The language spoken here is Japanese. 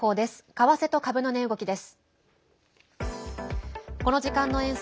為替と株の値動きです。